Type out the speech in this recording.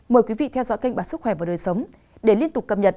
mời quý vị theo dõi kênh báo sức khỏe và đời sống để liên tục cập nhật